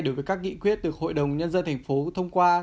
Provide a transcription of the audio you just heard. đối với các nghị quyết được hội đồng nhân dân tp thông qua